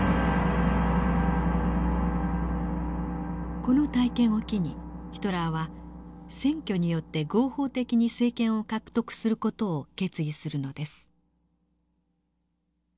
この体験を機にヒトラーは選挙によって合法的に政権を獲得する事を決意するのです。